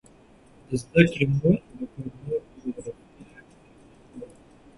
د زده کړې مور د کورنۍ په روغتیا کې مهم رول لوبوي.